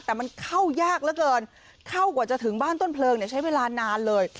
แต่มันเข้ายากเหลือเกินเข้ากว่าจะถึงบ้านต้นเพลิงเนี่ยใช้เวลานานเลย